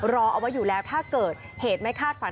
รอเอาไว้อยู่แล้วถ้าเกิดเหตุไม่คาดฝัน